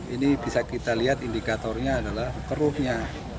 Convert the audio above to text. ini bisa kita lihat indikatornya adalah keruhnya